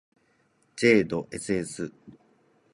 ｊ ど ｓｓ